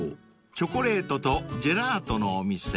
［チョコレートとジェラートのお店］